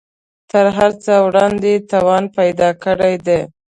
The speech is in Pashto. تر هر څه وړاندې توان پیدا کړی دی